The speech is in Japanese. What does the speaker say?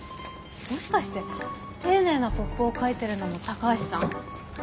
もしかして丁寧なポップを書いてるのも高橋さん？